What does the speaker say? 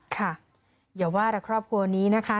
ค่ะอย่าว่าแต่ครอบครัวนี้นะคะ